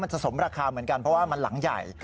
จะสมราคาเหมือนกันเพราะว่ามันหลังใหญ่